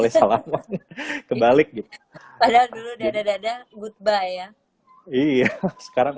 dadah dadah gitu nggak boleh salam kebalik gitu udah dadah dadah goodbye ya iya sekarang